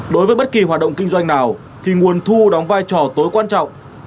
đối với bất kỳ hoạt động kinh doanh nào thì nguồn thu đóng vai trò tối quan trọng